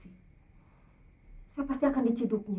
hai kekasih akan dicidupnya